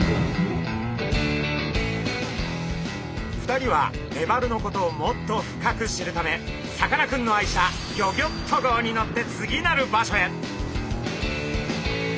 ２人はメバルのことをもっと深く知るためさかなクンの愛車ギョギョッと号に乗って次なる場所へ。